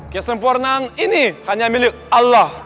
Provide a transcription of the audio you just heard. kesempurnaan ini hanya milik allah